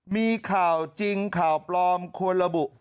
มีข่าวจริงข่าวปลอมควรระบุ